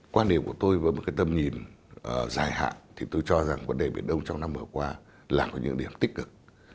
quan điểm của tôi với một cái tầm nhìn dài hạn thì tôi cho rằng vấn đề biển đông trong năm vừa qua là những điểm tích cực